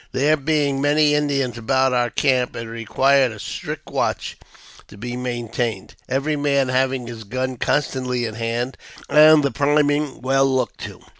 There being many Indians about our camp, it required a strict watch to be maintained, every man having his gun constantly in hand, and the priming well looked to.